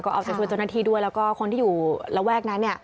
เอาใจช่วยเจ้าหน้าที่ด้วยแล้วก็คนที่อยู่ระแวกนั้นเนี่ย